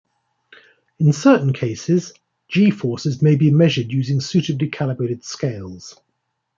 In certain cases, g-forces may be measured using suitably calibrated scales.